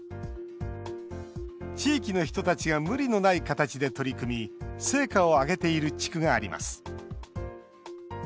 地域の人たちが無理のない形で取り組み成果を上げている地区があります。